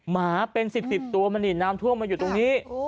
หมาเป็น๑๐ตัวมันนี่น้ำท่วมมาอยู่ตรงนี้